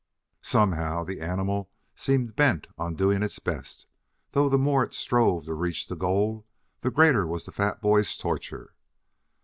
Somehow the animal seemed bent on doing its best, though the more it strove to reach the goal, the greater was the fat boy's torture.